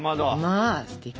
まあすてき。